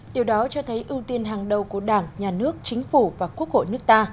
điều đó cho thấy ưu tiên hàng đầu của đảng nhà nước chính phủ và quốc hội nước ta